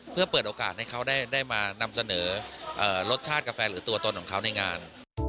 เพื่อเปิดโอกาสให้เขาได้มานำเสนอรสชาติกาแฟหรือตัวตนของเขาในงาน